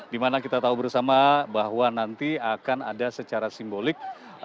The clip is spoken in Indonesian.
dimana kita tahu bersama bahwa nanti akan ada secara simbolik